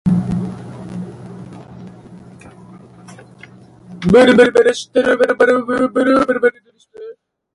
The first exception is where the legislature has indicated that correctness is appropriate.